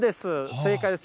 正解です。